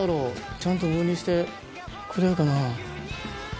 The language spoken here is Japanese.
ちゃんと分離してくれるかな？